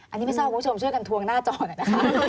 อันนี้ไม่ทราบคุณผู้ชมช่วยกันทวงหน้าจอหน่อยนะคะ